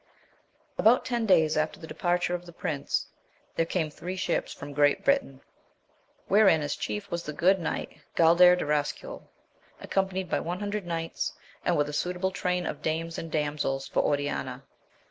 [BOUT tendaysafter the departure of the prince, there came three ships from Great Britain, wherein as chief was the good knight Gaidar de Rascuyl, accompanied by an hundred knights, and with a suitable train of dames and damsels for Oriana.